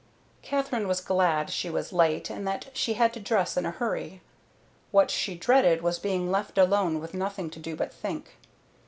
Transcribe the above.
Katherine was glad she was late and that she had to dress in a hurry. What she dreaded was being left alone with nothing to do but think.